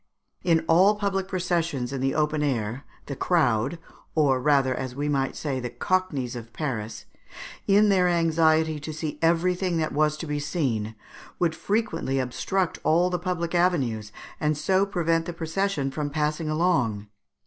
In all public processions in the open air the crowd (or rather, as we might say, the Cockneys of Paris), in their anxiety to see everything that was to be seen, would frequently obstruct all the public avenues, and so prevent the procession from passing along.